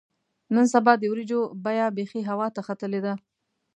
نن سبا د وریجو بیه بیخي هوا ته ختلې ده.